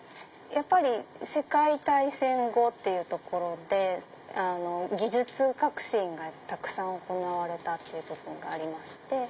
やっぱり世界大戦後っていうところで技術革新がたくさん行われたってとこもありまして。